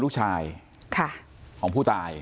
ลูกชายของผู้ตาย